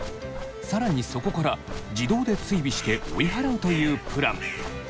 更にそこから自動で追尾して追い払うというプラン。